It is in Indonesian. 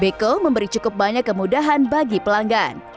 beko memberi cukup banyak kemudahan bagi pelanggan